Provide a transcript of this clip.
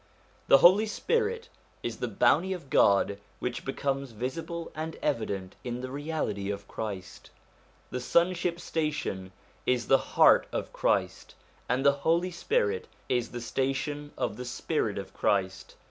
The Holy Spirit is the Bounty of God which becomes visible and evident in the Reality of Christ. The Sonship station is the heart of Christ, and the Holy Spirit is the station of the spirit of Christ.